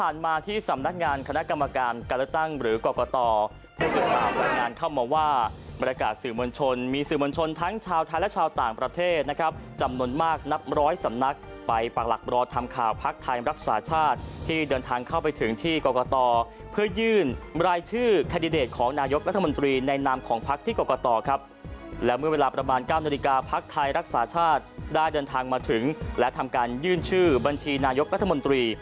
ได้ดันทางมาถึงและทำการยื่นชื่อบัญชีนายกรัฐมนตรี